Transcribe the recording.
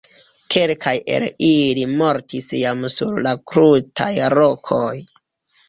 Kelkaj el ili mortis jam sur la krutaj rokoj.